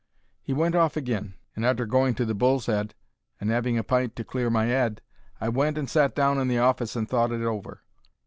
He went off agin, and, arter going to the Bull's Head and 'aving a pint to clear my 'ead, I went and sat down in the office and thought it over.